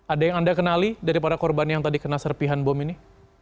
ada yang anda kenali dari para korban yang tadi kena serpihan bom ini